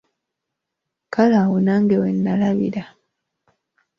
Kale awo nange wennalabira.